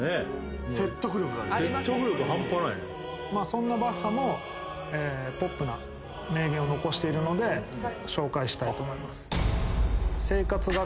そんなバッハもポップな名言を残しているので紹介したいと思います。